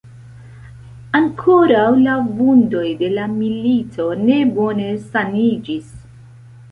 Ankoraŭ la vundoj de la milito ne bone saniĝis.